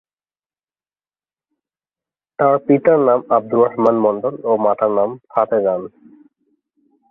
তার পিতার নাম আব্দুর রহমান মন্ডল ও মাতার নাম ফাতেজান।